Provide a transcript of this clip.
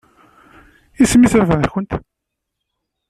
Isem-is baba-tkent?